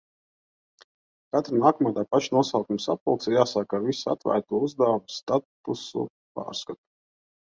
Katra nākamā tā paša nosaukuma sapulce ir jāsāk ar visu atvērto uzdevumu statusu pārskatu.